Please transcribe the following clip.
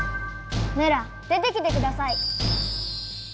メラ出てきてください！